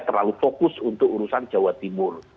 terlalu fokus untuk urusan jawa timur